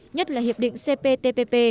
nhất là hiệp định cptpp